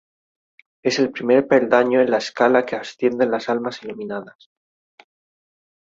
Es el primer peldaño en la escala que ascienden las almas iluminadas.